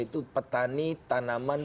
itu petani tanaman